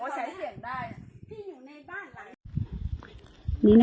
เขาไม่ได้แยกกันมานอนนะอีดอก